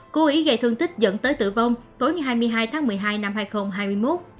cố ý gây thương tích dẫn tới tử vong tối ngày hai mươi hai tháng một mươi hai năm hai nghìn hai mươi một